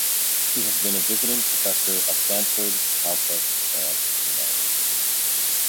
He has been a visiting professor at Stanford, Caltech, and Cornell.